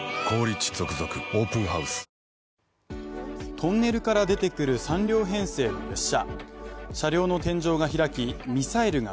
トンネルから出てくる３両編成の列車。